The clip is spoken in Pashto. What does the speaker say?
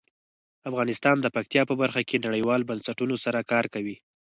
افغانستان د پکتیا په برخه کې نړیوالو بنسټونو سره کار کوي.